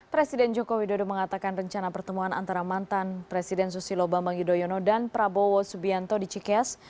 presiden joko widodo mengatakan rencana pertemuan antara mantan presiden susilo bambang yudhoyono dan prabowo subianto di cikeas